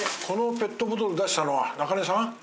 このペットボトル出したのは中根さん？